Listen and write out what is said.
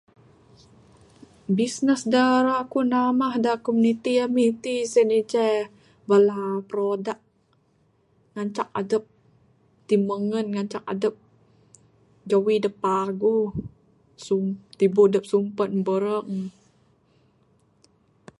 Bisnes da ira ku nambah da komuniti ami ti sien ceh bala produk ngancak adep timengen ngancak adep jawi adep paguh...sum...tibuk adep sumpen bereng.